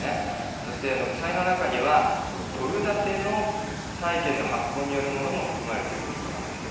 そして、負債の中には、このドル建ての債券の発行によるものも含まれているということなんです。